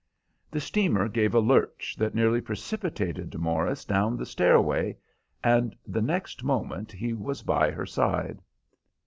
The steamer gave a lurch that nearly precipitated Morris down the stairway, and the next moment he was by her side.